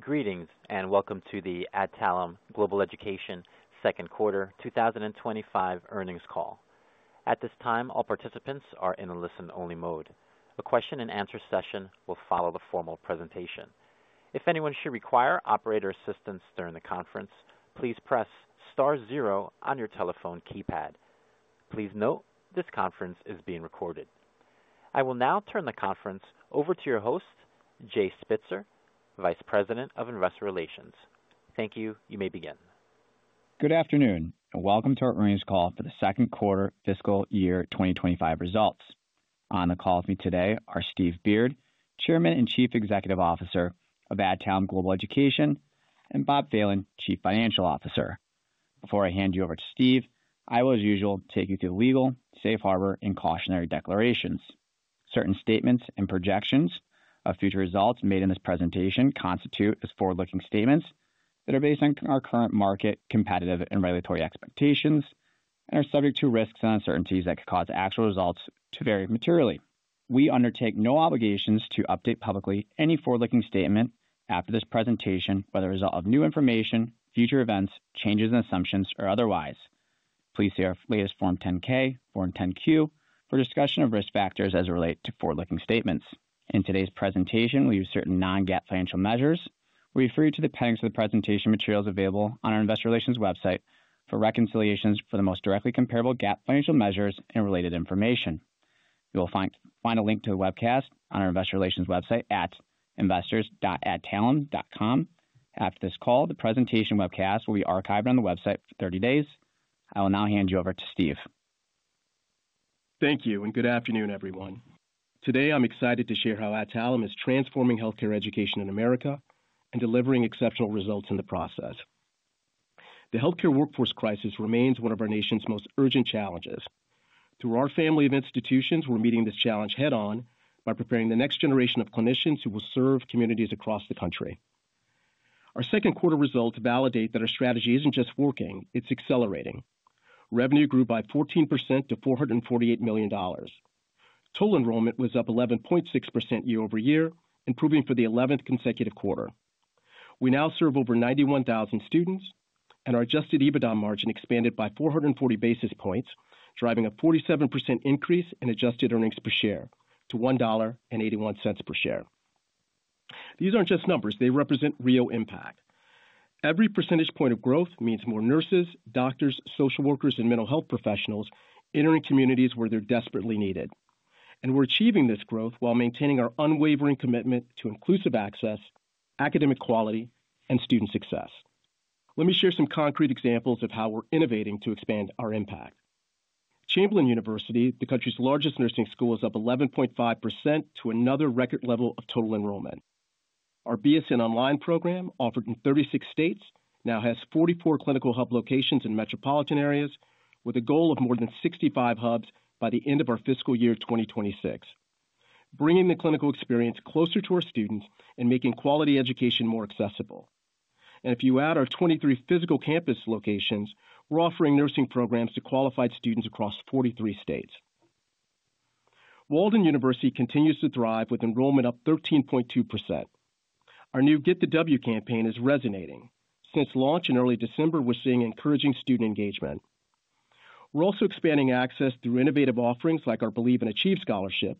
Greetings and welcome to the Adtalem Global Education Second Quarter 2025 Earnings Call. At this time, all participants are in a listen-only mode. The question-and-answer session will follow the formal presentation. If anyone should require operator assistance during the conference, please press star zero on your telephone keypad. Please note this conference is being recorded. I will now turn the conference over to your host, Jay Spitzer, Vice President of Investor Relations. Thank you. You may begin. Good afternoon and welcome to our earnings call for the second quarter fiscal year 2025 results. On the call with me today are Steve Beard, Chairman and Chief Executive Officer of Adtalem Global Education, and Bob Phelan, Chief Financial Officer. Before I hand you over to Steve, I will, as usual, take you through legal, safe harbor, and cautionary declarations. Certain statements and projections of future results made in this presentation constitute as forward-looking statements that are based on our current market competitive and regulatory expectations and are subject to risks and uncertainties that could cause actual results to vary materially. We undertake no obligations to update publicly any forward-looking statement after this presentation by the result of new information, future events, changes in assumptions, or otherwise. Please see our latest Form 10-K, Form 10-Q for discussion of risk factors as it relates to forward-looking statements. In today's presentation, we use certain non-GAAP financial measures. We refer you to the appendices of the presentation materials available on our Investor Relations website for reconciliations for the most directly comparable GAAP financial measures and related information. You will find a link to the webcast on our Investor Relations website at investors.adtalem.com. After this call, the presentation webcast will be archived on the website for 30 days. I will now hand you over to Steve. Thank you and good afternoon, everyone. Today, I'm excited to share how Adtalem is transforming healthcare education in America and delivering exceptional results in the process. The healthcare workforce crisis remains one of our nation's most urgent challenges. Through our family of institutions, we're meeting this challenge head-on by preparing the next generation of clinicians who will serve communities across the country. Our second quarter results validate that our strategy isn't just working. It's accelerating. Revenue grew by 14% to $448 million. Total enrollment was up 11.6% year-over-year, improving for the 11th consecutive quarter. We now serve over 91,000 students, and our adjusted EBITDA margin expanded by 440 basis points, driving a 47% increase in adjusted earnings per share to $1.81 per share. These aren't just numbers. They represent real impact. Every percentage point of growth means more nurses, doctors, social workers, and mental health professionals entering communities where they're desperately needed. And we're achieving this growth while maintaining our unwavering commitment to inclusive access, academic quality, and student success. Let me share some concrete examples of how we're innovating to expand our impact. Chamberlain University, the country's largest nursing school, is up 11.5% to another record level of total enrollment. Our BSN Online program, offered in 36 states, now has 44 clinical hub locations in metropolitan areas, with a goal of more than 65 hubs by the end of our fiscal year 2026, bringing the clinical experience closer to our students and making quality education more accessible. And if you add our 23 physical campus locations, we're offering nursing programs to qualified students across 43 states. Walden University continues to thrive, with enrollment up 13.2%. Our new Get the W campaign is resonating. Since launch in early December, we're seeing encouraging student engagement. We're also expanding access through innovative offerings like our Believe and Achieve Scholarship,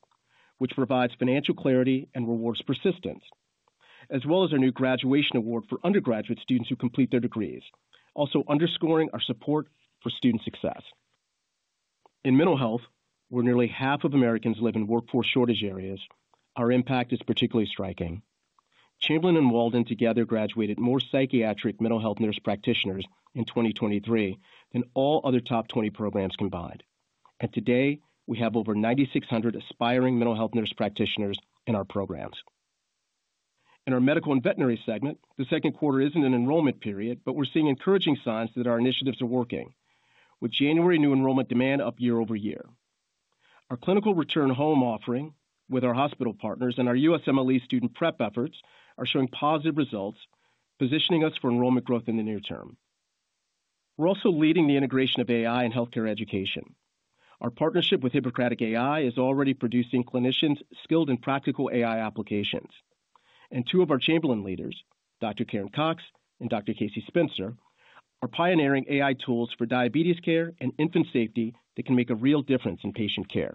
which provides financial clarity and rewards persistence, as well as our new Graduation Award for undergraduate students who complete their degrees, also underscoring our support for student success. In mental health, where nearly half of Americans live in workforce shortage areas, our impact is particularly striking. Chamberlain and Walden together graduated more psychiatric mental health nurse practitioners in 2023 than all other top 20 programs combined, and today, we have over 9,600 aspiring mental health nurse practitioners in our programs. In our Medical and Veterinary segment, the second quarter isn't an enrollment period, but we're seeing encouraging signs that our initiatives are working, with January new enrollment demand up year-over-year. Our Clinical Return Home offering with our hospital partners and our USMLE student prep efforts are showing positive results, positioning us for enrollment growth in the near term. We're also leading the integration of AI in healthcare education. Our partnership with Hippocratic AI is already producing clinicians skilled in practical AI applications. And two of our Chamberlain leaders, Dr. Karen Cox and Dr. Kacie Spencer, are pioneering AI tools for diabetes care and infant safety that can make a real difference in patient care, and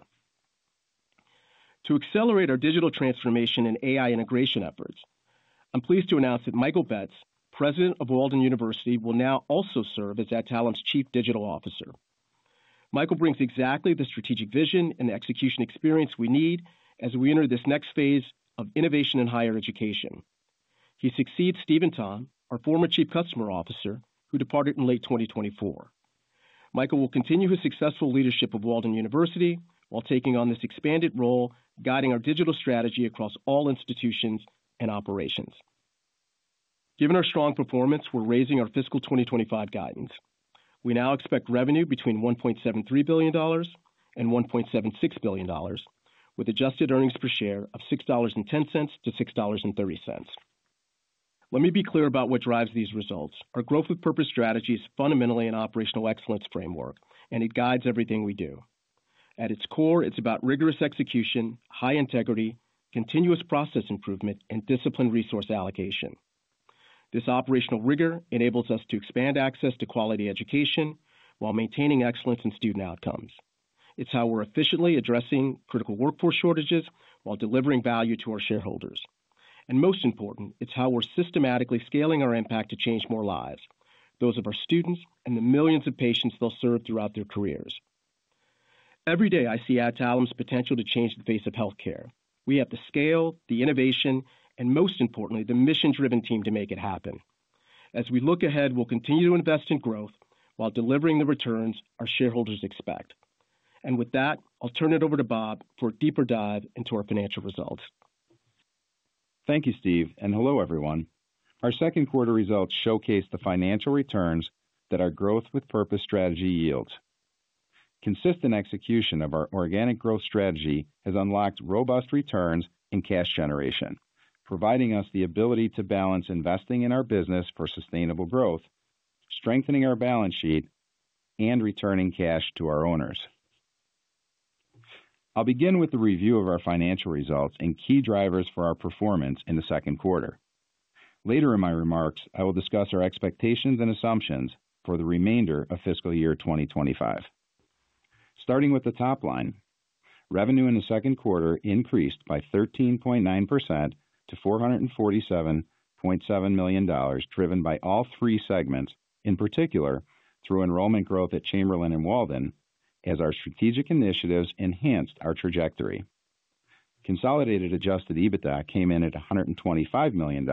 to accelerate our digital transformation and AI integration efforts, I'm pleased to announce that Michael Betz, President of Walden University, will now also serve as Adtalem's Chief Digital Officer. Michael brings exactly the strategic vision and execution experience we need as we enter this next phase of innovation in higher education. He succeeds Steven Tom, our former Chief Customer Officer, who departed in late 2024. Michael will continue his successful leadership of Walden University while taking on this expanded role, guiding our digital strategy across all institutions and operations. Given our strong performance, we're raising our fiscal 2025 guidance. We now expect revenue between $1.73 billion and $1.76 billion, with adjusted earnings per share of $6.10-$6.30. Let me be clear about what drives these results. Our Growth with Purpose strategy is fundamentally an operational excellence framework, and it guides everything we do. At its core, it's about rigorous execution, high integrity, continuous process improvement, and disciplined resource allocation. This operational rigor enables us to expand access to quality education while maintaining excellence in student outcomes. It's how we're efficiently addressing critical workforce shortages while delivering value to our shareholders. And most important, it's how we're systematically scaling our impact to change more lives, those of our students and the millions of patients they'll serve throughout their careers. Every day, I see Adtalem's potential to change the face of healthcare. We have the scale, the innovation, and most importantly, the mission-driven team to make it happen. As we look ahead, we'll continue to invest in growth while delivering the returns our shareholders expect. And with that, I'll turn it over to Bob for a deeper dive into our financial results. Thank you, Steve. And hello, everyone. Our second quarter results showcase the financial returns that our Growth with Purpose strategy yields. Consistent execution of our organic growth strategy has unlocked robust returns in cash generation, providing us the ability to balance investing in our business for sustainable growth, strengthening our balance sheet, and returning cash to our owners. I'll begin with the review of our financial results and key drivers for our performance in the second quarter. Later in my remarks, I will discuss our expectations and assumptions for the remainder of fiscal year 2025. Starting with the top line, revenue in the second quarter increased by 13.9% to $447.7 million, driven by all three segments, in particular through enrollment growth at Chamberlain and Walden, as our strategic initiatives enhanced our trajectory. Consolidated adjusted EBITDA came in at $125 million,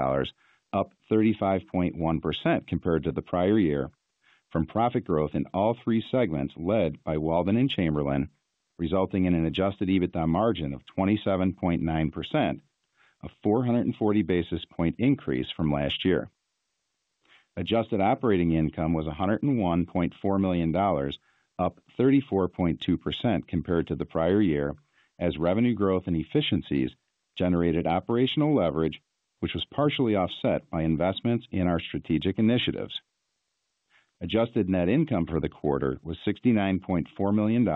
up 35.1% compared to the prior year, from profit growth in all three segments led by Walden and Chamberlain, resulting in an adjusted EBITDA margin of 27.9%, a 440 basis points increase from last year. Adjusted operating income was $101.4 million, up 34.2% compared to the prior year, as revenue growth and efficiencies generated operational leverage, which was partially offset by investments in our strategic initiatives. Adjusted net income for the quarter was $69.4 million,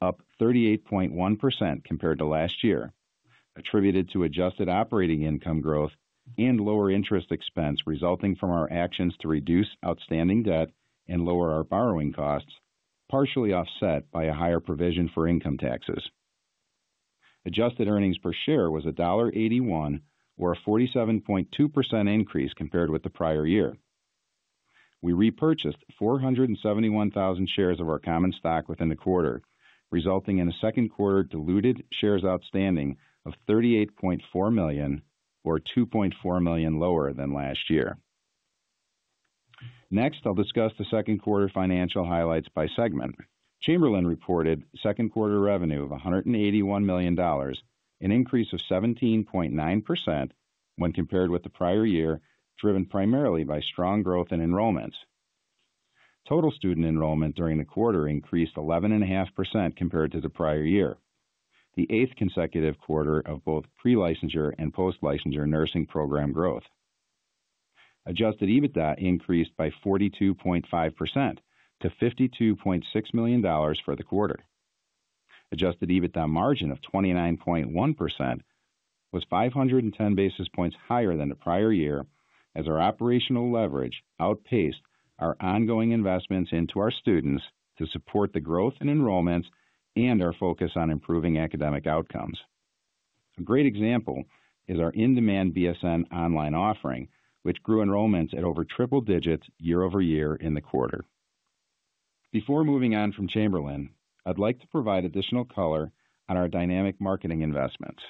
up 38.1% compared to last year, attributed to adjusted operating income growth and lower interest expense resulting from our actions to reduce outstanding debt and lower our borrowing costs, partially offset by a higher provision for income taxes. Adjusted earnings per share was $1.81, or a 47.2% increase compared with the prior year. We repurchased 471,000 shares of our common stock within the quarter, resulting in a second quarter diluted shares outstanding of 38.4 million, or 2.4 million lower than last year. Next, I'll discuss the second quarter financial highlights by segment. Chamberlain reported second quarter revenue of $181 million, an increase of 17.9% when compared with the prior year, driven primarily by strong growth in enrollments. Total student enrollment during the quarter increased 11.5% compared to the prior year, the eighth consecutive quarter of both pre-licensure and post-licensure nursing program growth. Adjusted EBITDA increased by 42.5% to $52.6 million for the quarter. Adjusted EBITDA margin of 29.1% was 510 basis points higher than the prior year, as our operational leverage outpaced our ongoing investments into our students to support the growth in enrollments and our focus on improving academic outcomes. A great example is our in-demand BSN Online offering, which grew enrollments at over triple digits year-over-year in the quarter. Before moving on from Chamberlain, I'd like to provide additional color on our dynamic marketing investments.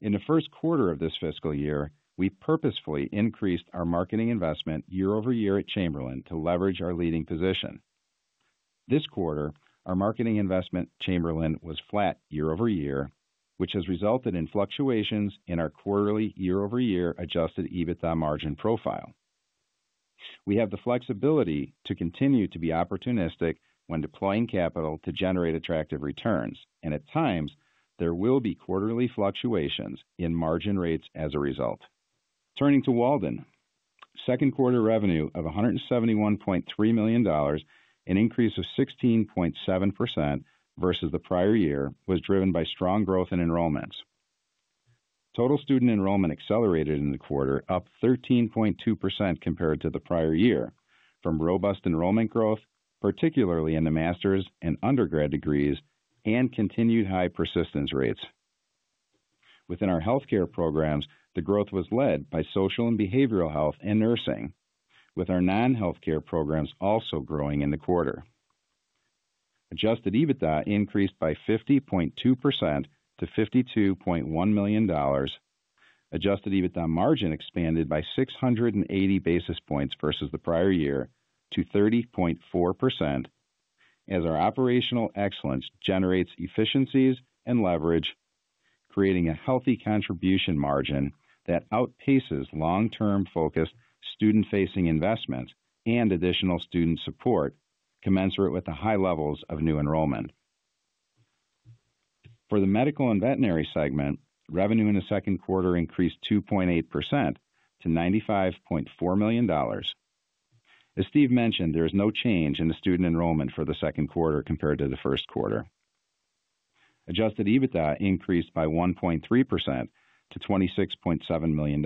In the first quarter of this fiscal year, we purposefully increased our marketing investment year-over-year at Chamberlain to leverage our leading position. This quarter, our marketing investment at Chamberlain was flat year-over-year, which has resulted in fluctuations in our quarterly year-over-year Adjusted EBITDA margin profile. We have the flexibility to continue to be opportunistic when deploying capital to generate attractive returns, and at times, there will be quarterly fluctuations in margin rates as a result. Turning to Walden, second quarter revenue of $171.3 million, an increase of 16.7% versus the prior year, was driven by strong growth in enrollments. Total student enrollment accelerated in the quarter, up 13.2% compared to the prior year, from robust enrollment growth, particularly in the master's and undergrad degrees, and continued high persistence rates. Within our healthcare programs, the growth was led by social and behavioral health and nursing, with our non-healthcare programs also growing in the quarter. Adjusted EBITDA increased by 50.2% to $52.1 million. Adjusted EBITDA margin expanded by 680 basis points versus the prior year to 30.4%, as our operational excellence generates efficiencies and leverage, creating a healthy contribution margin that outpaces long-term focused student-facing investments and additional student support commensurate with the high levels of new enrollment. For the medical and veterinary segment, revenue in the second quarter increased 2.8% to $95.4 million. As Steve mentioned, there is no change in the student enrollment for the second quarter compared to the first quarter. Adjusted EBITDA increased by 1.3% to $26.7 million.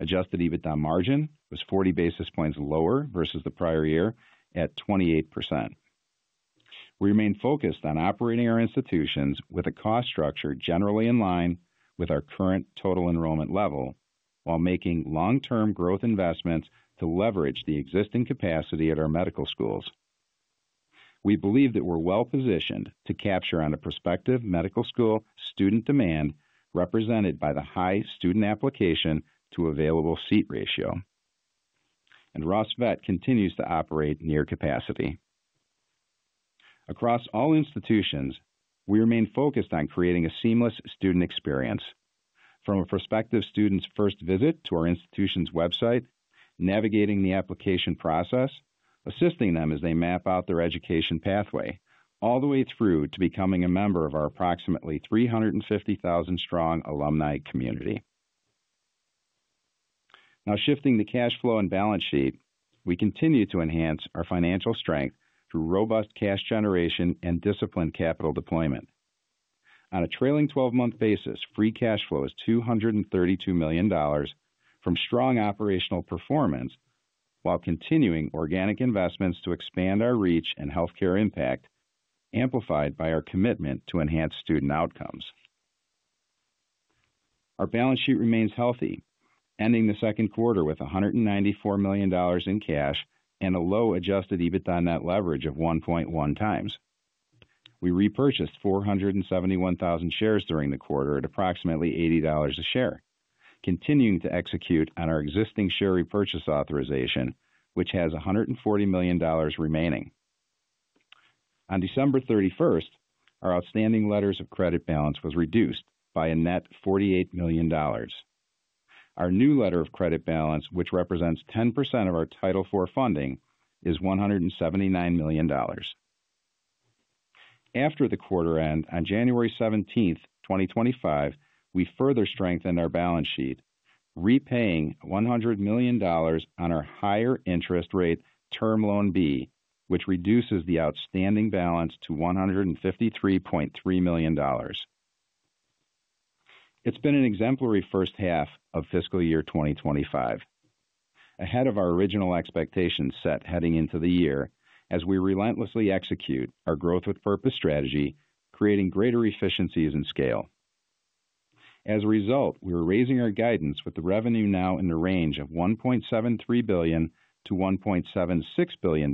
Adjusted EBITDA margin was 40 basis points lower versus the prior year at 28%. We remain focused on operating our institutions with a cost structure generally in line with our current total enrollment level while making long-term growth investments to leverage the existing capacity at our medical schools. We believe that we're well positioned to capture on a prospective medical school student demand represented by the high student application to available seat ratio, and Ross Vet continues to operate near capacity. Across all institutions, we remain focused on creating a seamless student experience from a prospective student's first visit to our institution's website, navigating the application process, assisting them as they map out their education pathway, all the way through to becoming a member of our approximately 350,000-strong alumni community. Now, shifting the cash flow and balance sheet, we continue to enhance our financial strength through robust cash generation and disciplined capital deployment. On a trailing 12-month basis, free cash flow is $232 million from strong operational performance while continuing organic investments to expand our reach and healthcare impact, amplified by our commitment to enhance student outcomes. Our balance sheet remains healthy, ending the second quarter with $194 million in cash and a low adjusted EBITDA net leverage of 1.1 times. We repurchased 471,000 shares during the quarter at approximately $80 a share, continuing to execute on our existing share repurchase authorization, which has $140 million remaining. On December 31st, our outstanding letters of credit balance was reduced by a net $48 million. Our new letter of credit balance, which represents 10% of our Title IV funding, is $179 million. After the quarter end, on January 17th, 2025, we further strengthened our balance sheet, repaying $100 million on our higher interest rate Term Loan B, which reduces the outstanding balance to $153.3 million. It's been an exemplary first half of fiscal year 2025, ahead of our original expectations set heading into the year as we relentlessly execute our Growth with Purpose strategy, creating greater efficiencies and scale. As a result, we are raising our guidance with the revenue now in the range of $1.73 billion-$1.76 billion,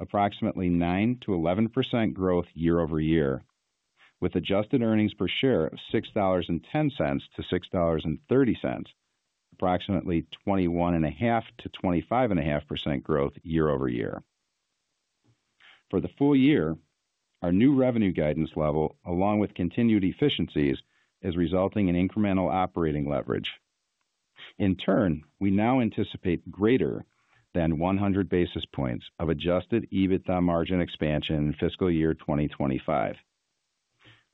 approximately 9%-11% growth year-over-year, with adjusted earnings per share of $6.10-$6.30, approximately 21.5%-25.5% growth year-over-year. For the full year, our new revenue guidance level, along with continued efficiencies, is resulting in incremental operating leverage. In turn, we now anticipate greater than 100 basis points of Adjusted EBITDA margin expansion in fiscal year 2025.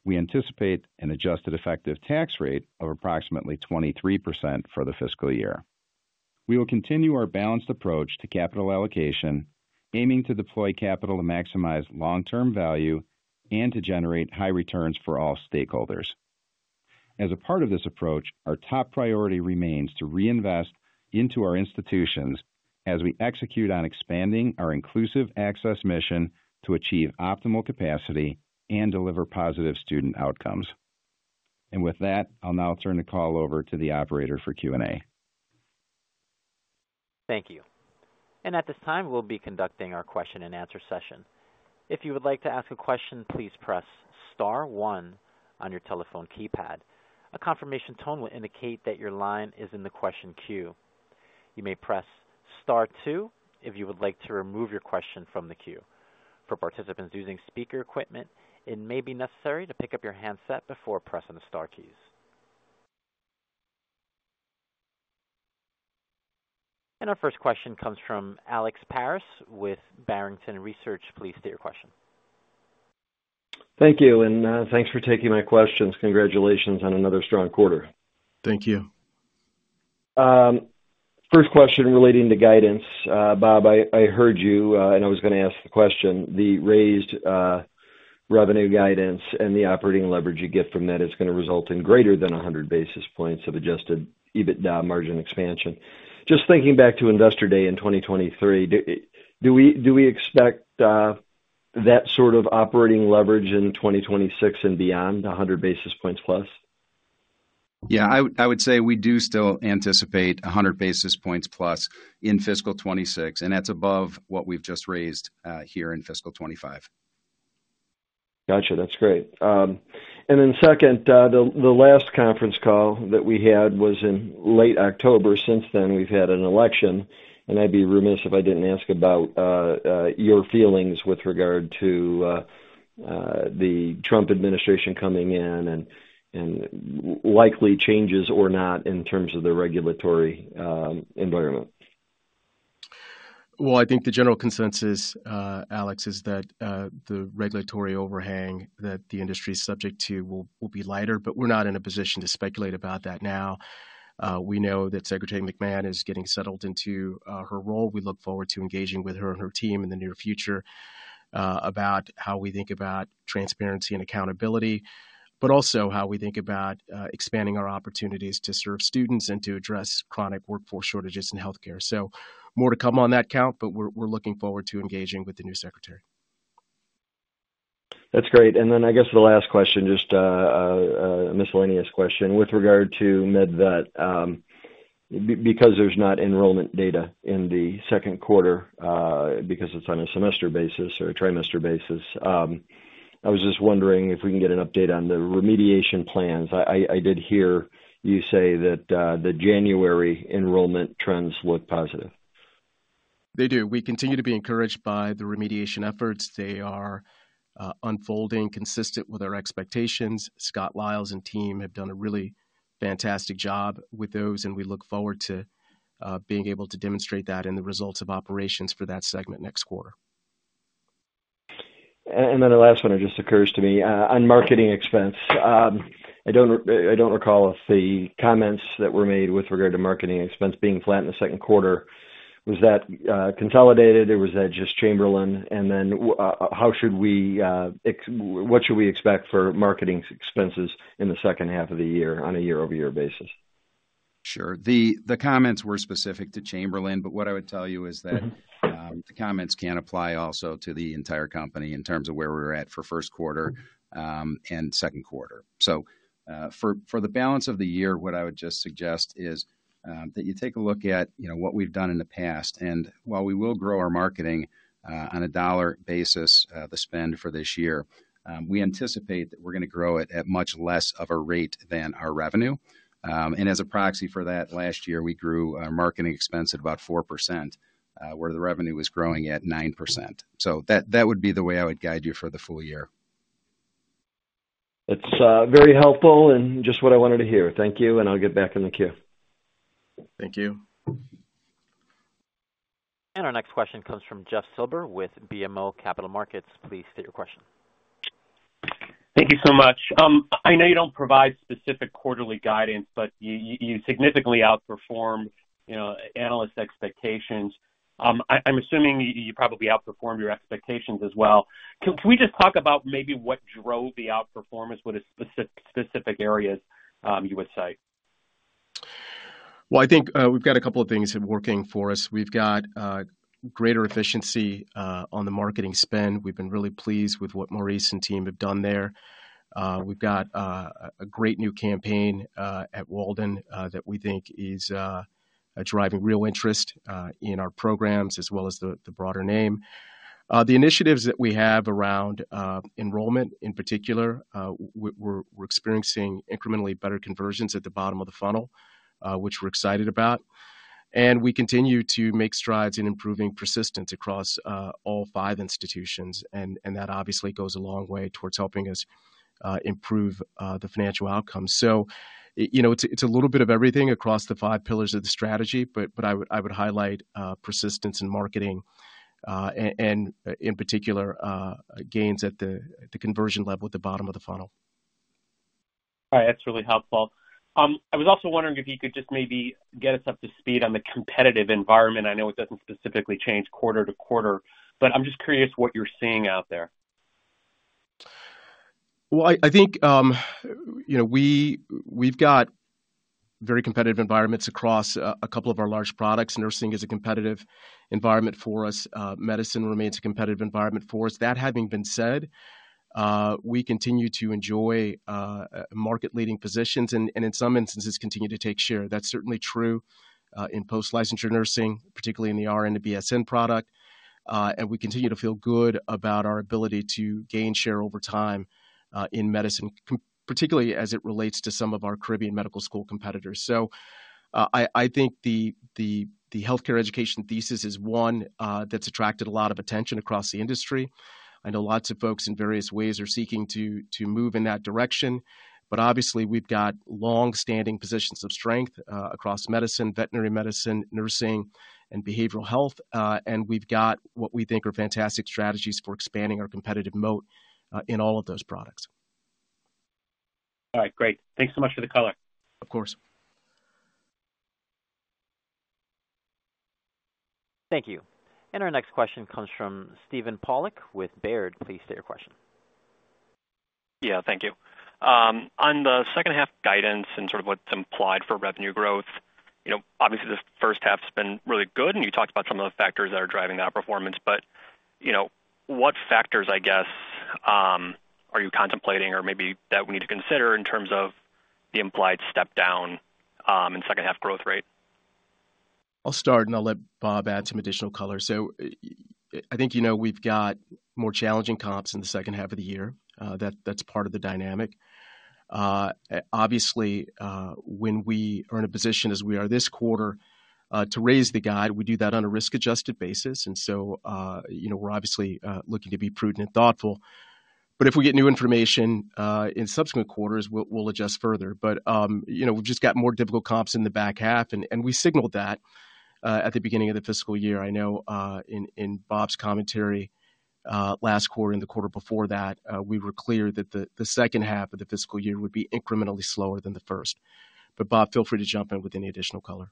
We anticipate an adjusted effective tax rate of approximately 23% for the fiscal year. We will continue our balanced approach to capital allocation, aiming to deploy capital to maximize long-term value and to generate high returns for all stakeholders. As a part of this approach, our top priority remains to reinvest into our institutions as we execute on expanding our inclusive access mission to achieve optimal capacity and deliver positive student outcomes. And with that, I'll now turn the call over to the operator for Q&A. Thank you. And at this time, we'll be conducting our question and answer session. If you would like to ask a question, please press Star 1 on your telephone keypad. A confirmation tone will indicate that your line is in the question queue. You may press Star 2 if you would like to remove your question from the queue. For participants using speaker equipment, it may be necessary to pick up your handset before pressing the Star keys. And our first question comes from Alex Paris with Barrington Research. Please state your question. Thank you. And thanks for taking my questions. Congratulations on another strong quarter. Thank you. First question relating to guidance, Bob, I heard you, and I was going to ask the question. The raised revenue guidance and the operating leverage you get from that is going to result in greater than 100 basis points of adjusted EBITDA margin expansion. Just thinking back to investor day in 2023, do we expect that sort of operating leverage in 2026 and beyond, 100 basis points plus? Yeah, I would say we do still anticipate 100 basis points plus in fiscal 2026, and that's above what we've just raised here in fiscal 2025. Gotcha. That's great. And then second, the last conference call that we had was in late October. Since then, we've had an election, and I'd be remiss if I didn't ask about your feelings with regard to the Trump administration coming in and likely changes or not in terms of the regulatory environment. I think the general consensus, Alex, is that the regulatory overhang that the industry is subject to will be lighter, but we're not in a position to speculate about that now. We know that Secretary McMahon is getting settled into her role. We look forward to engaging with her and her team in the near future about how we think about transparency and accountability, but also how we think about expanding our opportunities to serve students and to address chronic workforce shortages in healthcare. More to come on that count, but we're looking forward to engaging with the new secretary. That's great. And then I guess the last question, just a miscellaneous question with regard to MedVet, because there's not enrollment data in the second quarter because it's on a semester basis or a trimester basis. I was just wondering if we can get an update on the remediation plans? I did hear you say that the January enrollment trends look positive. They do. We continue to be encouraged by the remediation efforts. They are unfolding consistent with our expectations. Scott Liles and team have done a really fantastic job with those, and we look forward to being able to demonstrate that in the results of operations for that segment next quarter. And then the last one just occurs to me on marketing expense. I don't recall if the comments that were made with regard to marketing expense being flat in the second quarter, was that consolidated or was that just Chamberlain? And then how should we, what should we expect for marketing expenses in the second half of the year on a year-over-year basis? Sure. The comments were specific to Chamberlain, but what I would tell you is that the comments can't apply also to the entire company in terms of where we were at for first quarter and second quarter. So for the balance of the year, what I would just suggest is that you take a look at what we've done in the past. And while we will grow our marketing on a dollar basis, the spend for this year, we anticipate that we're going to grow it at much less of a rate than our revenue. And as a proxy for that, last year, we grew our marketing expense at about 4%, where the revenue was growing at 9%. So that would be the way I would guide you for the full year. That's very helpful and just what I wanted to hear. Thank you, and I'll get back in the queue. Thank you. And our next question comes from Jeff Silber with BMO Capital Markets. Please state your question. Thank you so much. I know you don't provide specific quarterly guidance, but you significantly outperformed analysts' expectations. I'm assuming you probably outperformed your expectations as well. Can we just talk about maybe what drove the outperformance? What specific areas you would cite? I think we've got a couple of things working for us. We've got greater efficiency on the marketing spend. We've been really pleased with what Maurice and team have done there. We've got a great new campaign at Walden that we think is driving real interest in our programs as well as the broader name. The initiatives that we have around enrollment in particular, we're experiencing incrementally better conversions at the bottom of the funnel, which we're excited about. We continue to make strides in improving persistence across all five institutions. That obviously goes a long way towards helping us improve the financial outcomes. It's a little bit of everything across the five pillars of the strategy, but I would highlight persistence in marketing and in particular, gains at the conversion level at the bottom of the funnel. All right. That's really helpful. I was also wondering if you could just maybe get us up to speed on the competitive environment. I know it doesn't specifically change quarter-to-quarter, but I'm just curious what you're seeing out there. Well, I think we've got very competitive environments across a couple of our large products. Nursing is a competitive environment for us. Medicine remains a competitive environment for us. That having been said, we continue to enjoy market-leading positions and in some instances continue to take share. That's certainly true in post-licensure nursing, particularly in the RN to BSN product. And we continue to feel good about our ability to gain share over time in medicine, particularly as it relates to some of our Caribbean medical school competitors. So I think the healthcare education thesis is one that's attracted a lot of attention across the industry. I know lots of folks in various ways are seeking to move in that direction, but obviously we've got long-standing positions of strength across medicine, veterinary medicine, nursing, and behavioral health. We've got what we think are fantastic strategies for expanding our competitive moat in all of those products. All right. Great. Thanks so much for the color. Of course. Thank you. And our next question comes from Steven Pollock with Baird. Please state your question. Yeah, thank you. On the second half guidance and sort of what's implied for revenue growth, obviously the first half has been really good, and you talked about some of the factors that are driving that performance, but what factors, I guess, are you contemplating or maybe that we need to consider in terms of the implied step down in second half growth rate? I'll start, and I'll let Bob add some additional color, so I think we've got more challenging comps in the second half of the year. That's part of the dynamic. Obviously, when we are in a position as we are this quarter to raise the guide, we do that on a risk-adjusted basis, and so we're obviously looking to be prudent and thoughtful, but if we get new information in subsequent quarters, we'll adjust further, but we've just got more difficult comps in the back half, and we signaled that at the beginning of the fiscal year. I know in Bob's commentary last quarter and the quarter before that, we were clear that the second half of the fiscal year would be incrementally slower than the first, but Bob, feel free to jump in with any additional color.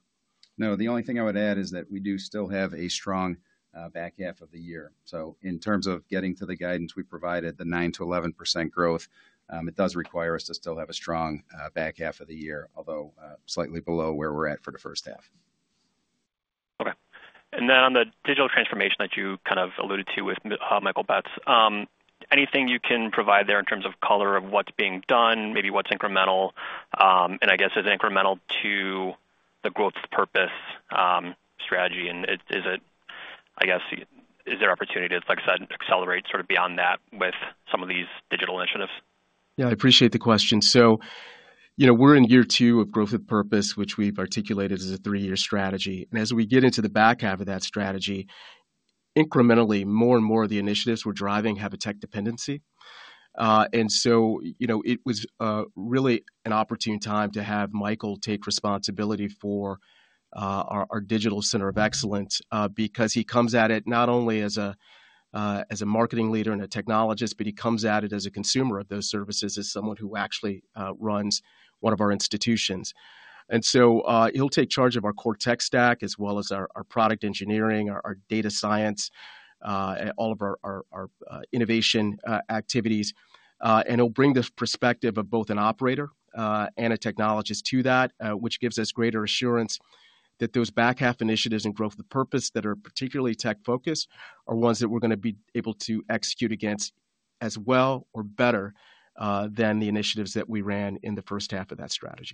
No, the only thing I would add is that we do still have a strong back half of the year. So in terms of getting to the guidance we provided, the 9%-11% growth, it does require us to still have a strong back half of the year, although slightly below where we're at for the first half. Okay. And then on the digital transformation that you kind of alluded to with Michael Betz, anything you can provide there in terms of color on what's being done, maybe what's incremental, and I guess is incremental to the growth purpose strategy? And is it, I guess, is there opportunity, like I said, accelerate sort of beyond that with some of these digital initiatives? Yeah, I appreciate the question. So we're in year two of Growth with Purpose, which we've articulated as a three-year strategy. And as we get into the back half of that strategy, incrementally, more and more of the initiatives we're driving have a tech dependency. And so it was really an opportune time to have Michael take responsibility for our digital center of excellence because he comes at it not only as a marketing leader and a technologist, but he comes at it as a consumer of those services as someone who actually runs one of our institutions. And so he'll take charge of our core tech stack as well as our product engineering, our data science, all of our innovation activities. He'll bring the perspective of both an operator and a technologist to that, which gives us greater assurance that those back half initiatives and Growth with Purpose that are particularly tech-focused are ones that we're going to be able to execute against as well or better than the initiatives that we ran in the first half of that strategy.